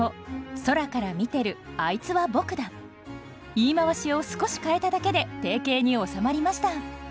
言い回しを少し変えただけで定型に収まりました。